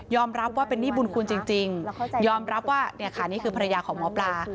รับว่าเป็นหนี้บุญคุณจริงยอมรับว่าเนี่ยค่ะนี่คือภรรยาของหมอปลา